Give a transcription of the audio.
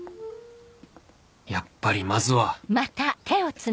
やっぱりまずは